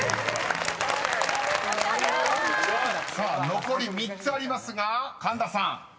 ［さあ残り３つありますが神田さん］